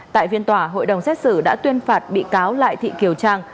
tại phiên tòa hội đồng xét xử đã tuyên phạt bị cáo lại thị kiều trang